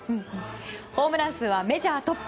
ホームラン数はメジャートップ。